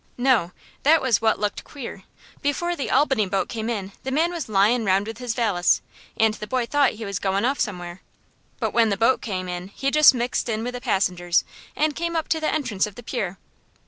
"No; that was what looked queer. Before the Albany boat came in the man was lyin' round with his valise, and the boy thought he was goin' off somewhere. But when the boat came in he just mixed in with the passengers, and came up to the entrance of the pier.